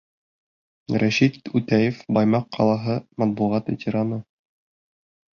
Рәшит Үтәев, Баймаҡ ҡалаһы, матбуғат ветераны: